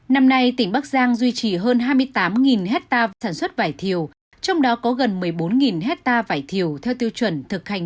năm nay tỉnh bắc giang duy trì hơn hai mươi tám hectare sản xuất vải thiều trong đó có gần một mươi bốn hectare vải thiều theo tiêu chuẩn thực hành